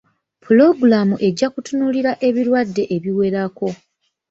Pulogulaamu ejja kutunuulira ebirwadde ebiwerako.